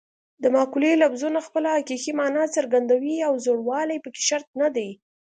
د مقولې لفظونه خپله حقیقي مانا څرګندوي او زوړوالی پکې شرط نه دی